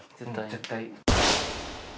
絶対。